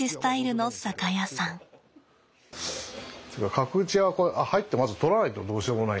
角打ちは入ってまず取らないとどうしようもない。